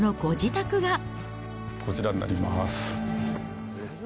こちらになります。